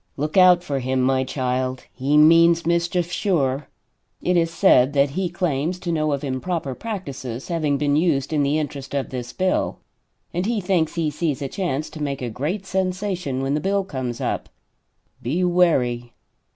"Look out for him, my child! He means mischief, sure. It is said that he claims to know of improper practices having been used in the interest of this bill, and he thinks he sees a chance to make a great sensation when the bill comes up. Be wary.